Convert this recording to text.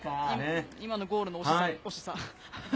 今のゴールの惜しさ。